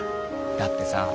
だってさ